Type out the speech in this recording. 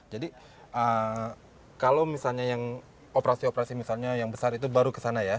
jadi kalau misalnya yang operasi operasi yang besar itu baru ke sana ya